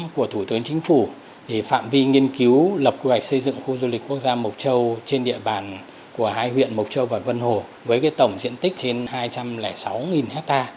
của thủ tướng chính phủ phạm vi nghiên cứu lập quy hoạch xây dựng khu du lịch quốc gia mộc châu trên địa bàn của hai huyện mộc châu và vân hồ với tổng diện tích trên hai trăm linh sáu ha